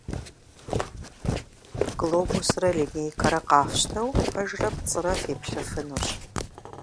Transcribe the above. Глобусрэ линейкэрэ къафщтэу, пэжрэ пцӀырэ феплъыфынущ.